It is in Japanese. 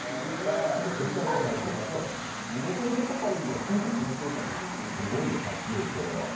見たことないですね、確かにめちゃめちゃ高いんで、インパクトめちゃめちゃあります。